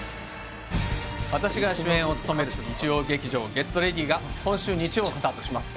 私が主演を務める日曜劇場「ＧｅｔＲｅａｄｙ！」が今週日曜スタートします